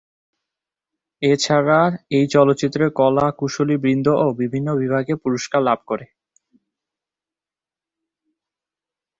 এছাড়া এই চলচ্চিত্রের কলা-কুশলীবৃন্দও বিভিন্ন বিভাগে পুরস্কার লাভ করে।